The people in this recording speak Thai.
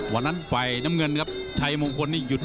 วันนั้นไฟน้ำเงินครับชายองค์ควนนี่หาไปนานครับ